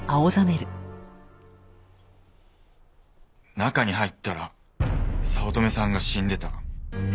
中に入ったら早乙女さんが死んでた。